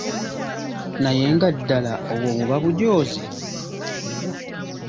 Naye nga ddala obwo buba bujoozi?